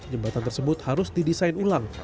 jembatan tersebut harus didesain ulang